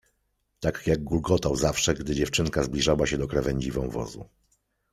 Tak jak gulgotał zawsze, gdy dziewczynka zbliżała się do krawędzi wąwozu.